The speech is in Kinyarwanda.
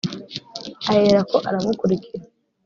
Aherako aramukurikira